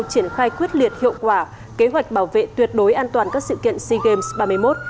triển khai quyết liệt hiệu quả kế hoạch bảo vệ tuyệt đối an toàn các sự kiện sea games ba mươi một